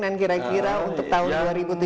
dan kira kira untuk tahun dua ribu tujuh belas ini